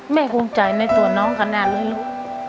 ภูมิใจในตัวน้องขนาดเลยลูก